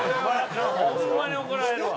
ホンマに怒られるわ。